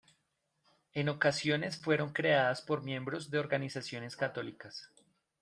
En ocasiones fueron creadas por miembros de organizaciones católicas.